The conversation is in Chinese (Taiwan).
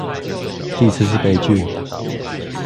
第一次是悲劇